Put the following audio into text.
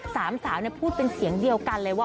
สามสาวพูดเป็นเสียงเดียวกันเลยว่า